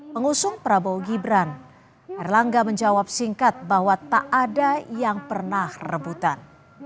mengusung prabowo gibran erlangga menjawab singkat bahwa tak ada yang pernah rebutan